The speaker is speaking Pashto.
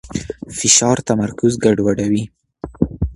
فشار تمرکز ګډوډوي.